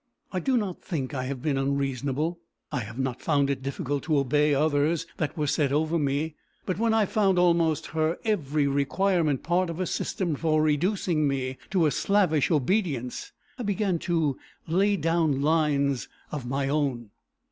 I do not think I have been unreasonable; I have not found it difficult to obey others that were set over me; but when I found almost her every requirement part of a system for reducing me to a slavish obedience, I began to lay down lines of my own.